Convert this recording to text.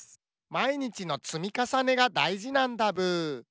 まいにちのつみかさねがだいじなんだブー。